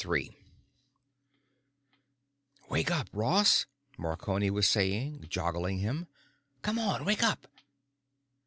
3 "WAKE up, Ross," Marconi was saying, joggling him. "Come on, wake up."